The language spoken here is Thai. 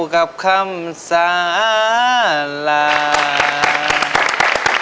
ขอบคุณครับ